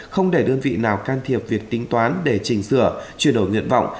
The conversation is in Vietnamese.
không để đơn vị nào can thiệp việc tính toán để chỉnh sửa chuyển đổi nguyện vọng